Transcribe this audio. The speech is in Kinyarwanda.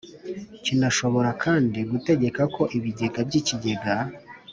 kinashobora kandi gutegeka ko ibigega by ikigega